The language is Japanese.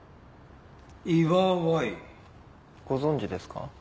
ご存じですか？